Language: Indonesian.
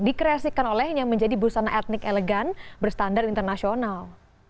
dikreasikan oleh yang menjadi busana etnik elegan berstandar internasional